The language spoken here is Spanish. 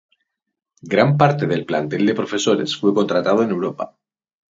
Gran parte del plantel de profesores fue contratado en Europa.